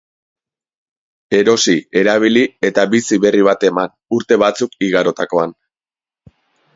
Erosi, erabili eta bizi berri bat eman, urte batzuk igarotakoan.